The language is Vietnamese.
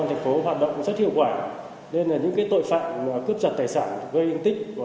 em cướp tài sản